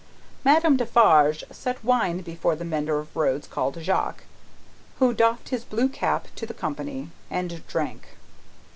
Madame Defarge set wine before the mender of roads called Jacques, who doffed his blue cap to the company, and drank.